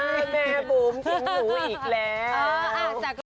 แม่บุ๋มถึงหนูอีกแล้ว